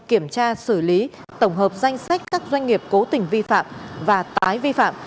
kiểm tra xử lý tổng hợp danh sách các doanh nghiệp cố tình vi phạm và tái vi phạm